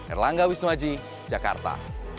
erlangga wisnuaji jakarta